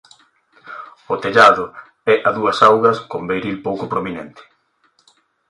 O tellado é a dúas augas con beiril pouco prominente.